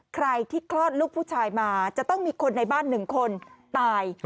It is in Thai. ใครที่คลอดลูกผู้ชายมาจะต้องมีคนในบ้าน๑คนตาย